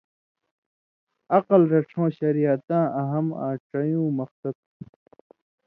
عقل رڇھؤں شریعتیاں اہم آں ڇَیؤں مقصد تُھُو،